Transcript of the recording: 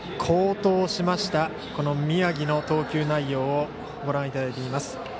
好投しました宮城の投球内容をご覧いただいています。